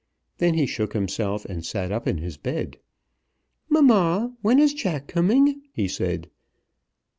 Then he shook himself, and sat up in his bed. "Mamma, when is Jack coming?" he said.